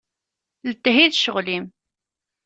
Letthi d ccɣel-im.